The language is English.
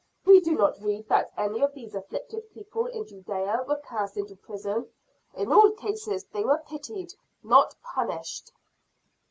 We do not read that any of these afflicted people in Judea were cast into prison. In all cases they were pitied, not punished."